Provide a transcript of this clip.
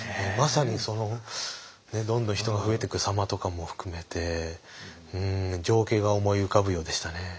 まさにそのどんどん人が増えていく様とかも含めてうん情景が思い浮かぶようでしたね。